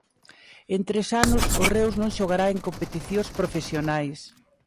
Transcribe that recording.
En tres anos o Reus non xogará en competicións profesionais.